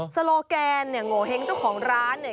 โลแกนเนี่ยโงเห้งเจ้าของร้านเนี่ย